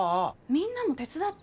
みんなも手伝って！